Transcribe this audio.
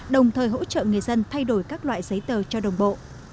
đồng thời hỗ trợ người dân thay đổi các loại giấy tờ cho đồng bộ